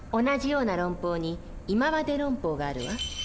同じような論法に「いままで論法」があるわ。